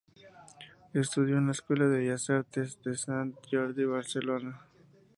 Estudió en la Escuela de Bellas Artes de Sant Jordi de Barcelona.